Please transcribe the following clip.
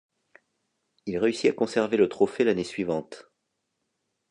Il réussit à conserver le trophée l'année suivante.